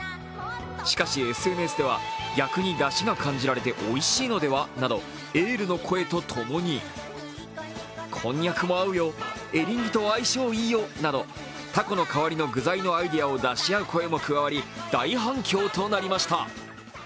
しかし、ＳＮＳでは逆に「だしが感じられておいしいのでは？」などエールの声とともにこんにゃくもあうよ、エリンギと相性いいよなどと、たこの代わりの具材のアイデアを出し合う声も加わり大反響となりました。